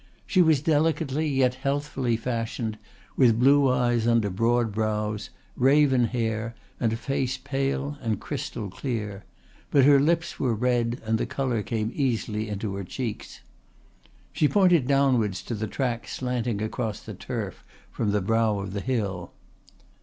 She was delicately yet healthfully fashioned, with blue eyes under broad brows, raven hair and a face pale and crystal clear. But her lips were red and the colour came easily into her cheeks. She pointed downwards to the track slanting across the turf from the brow of the hill.